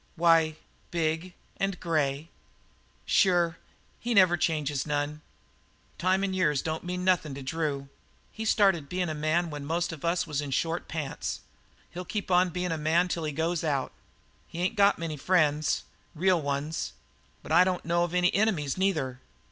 "Why, big and grey." "Sure. He never changes none. Time and years don't mean nothin' to Drew. He started bein' a man when most of us is in short pants; he'll keep on bein' a man till he goes out. He ain't got many friends real ones but I don't know of any enemies, neither.